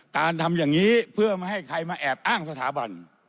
ทำอย่างนี้เพื่อไม่ให้ใครมาแอบอ้างสถาบัน